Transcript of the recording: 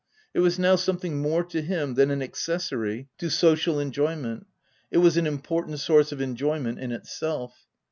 It was now something more to him than an accessary to social enjoyment : it was an important source of enjoyment in itself.